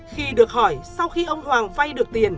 khi được hỏi sau khi ông hoàng vay được tiền